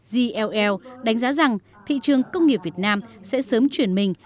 ell đánh giá rằng thị trường công nghiệp việt nam sẽ sớm chuyển mình